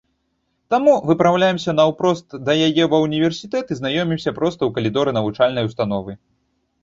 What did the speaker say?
Таму выпраўляемся наўпрост да яе ва ўніверсітэт і знаёмімся проста ў калідоры навучальнай установы.